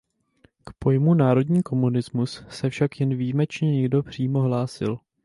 K pojmu národní komunismus se však jen výjimečně někdo přímo hlásil.